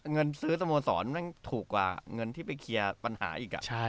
เงินซื้อสโมสรมันถูกกว่าเงินที่ไปเคลียร์ปัญหาอีก